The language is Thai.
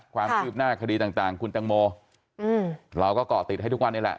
ความคืบหน้าคดีต่างคุณตังโมเราก็เกาะติดให้ทุกวันนี้แหละ